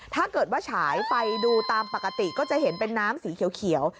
ถ้าเกิดว่าฉายไฟดูตามปกติก็จะเห็นเป็นน้ำสีเขียว